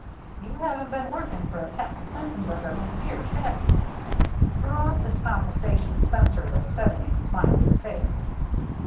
You haven't been working for Cap'n Stenzenberger many years, have you ?" Throughout this conversation Spencer was studying Smiley's face.